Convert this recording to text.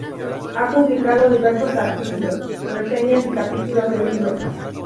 Ha publicado diversos artículos, reseñas y capítulos de libros.